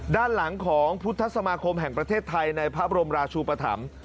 ด้านหลังของพุทธสมาคมแห่งประเทศไทยในพระบรมราชูปธรรม